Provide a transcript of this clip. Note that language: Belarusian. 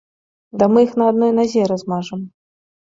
Ды мы іх на адной назе размажам!